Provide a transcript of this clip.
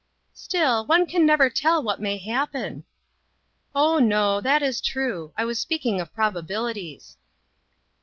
" Still, one can never tell what may hap pen." "Oh, no, that is true; I was speaking of probabilities."